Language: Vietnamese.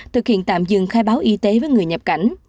thực hiện tạm dừng khai báo y tế với người nhập cảnh